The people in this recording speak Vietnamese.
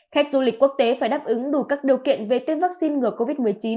khách du lịch quốc tế phải đáp ứng đủ các điều kiện về tiết vắc xin ngừa covid một mươi chín